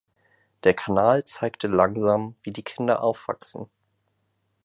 Der Kanal zeigte langsam wie die Kinder aufwachsen.